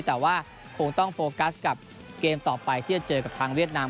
แต่ว่าคงต้องโฟกัสกับเกมต่อไปที่จะเจอกับทางเวียดนาม